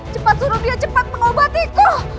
cepat suruh dia cepat mengobatiku